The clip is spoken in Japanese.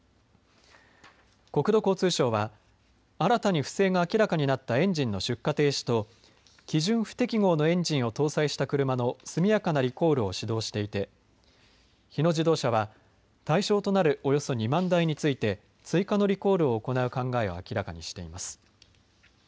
国土交通省は新たに不正が明らかになったエンジンの出荷停止と基準不適合のエンジンを搭載した車の速やかなリコールを指導していて日野自動車は対象となるおよそ２万台について追加のリコールを行う考えを明らかにしています。